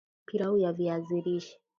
pilau ya viazi lishe